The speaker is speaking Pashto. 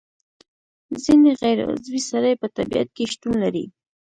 ځینې غیر عضوي سرې په طبیعت کې شتون لري.